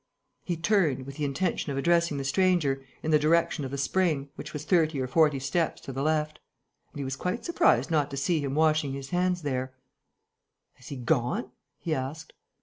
He turned, with the intention of addressing the stranger, in the direction of the spring, which was thirty or forty steps to the left. And he was quite surprised not to see him washing his hands there: "Has he gone?" he asked.